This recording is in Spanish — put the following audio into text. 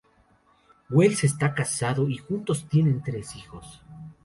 Wells está casado y juntos tienen tres hijos.